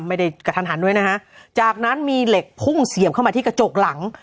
กระทันหันด้วยนะฮะจากนั้นมีเหล็กพุ่งเสียบเข้ามาที่กระจกหลัง